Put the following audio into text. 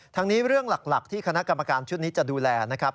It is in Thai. ทั้งนี้เรื่องหลักที่คณะกรรมการชุดนี้จะดูแลนะครับ